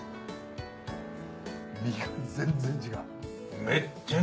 身が全然違う。